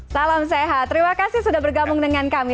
salam sehat terima kasih sudah bergabung dengan kami